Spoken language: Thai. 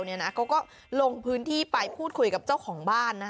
เขาก็ลงพื้นที่ไปพูดคุยกับเจ้าของบ้าน